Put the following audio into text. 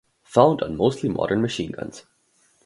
Found on mostly modern machine guns.